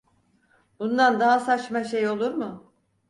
Bundan daha saçma şey olur mu?